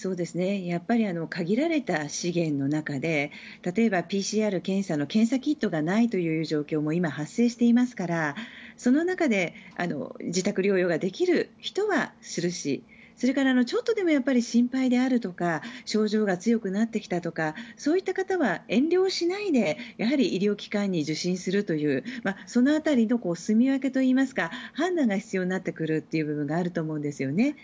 限られた資源の中で例えば、ＰＣＲ検査の検査キットがないという状況も今、発生していますからその中で自宅療養ができる人はするしそれからちょっとでも心配であるとか症状が強くなってきたとかそういった方は遠慮しないでやはり医療機関に受診するというその辺りのすみ分けといいますか判断が必要になってくる部分があると思うんですよね。